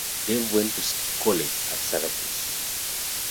Dave went to college at Syracuse.